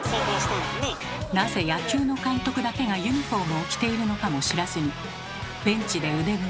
なぜ野球の監督だけがユニフォームを着ているのかも知らずにベンチで腕組み。